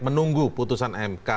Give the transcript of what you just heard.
menunggu putusan mk